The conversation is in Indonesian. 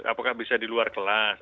apakah bisa di luar kelas